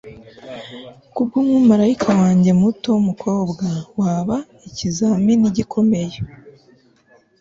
kubwumumarayika wanjye muto wumukobwa waba ikizamini gikomeye